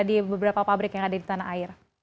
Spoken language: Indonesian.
di beberapa pabrik yang ada di tanah air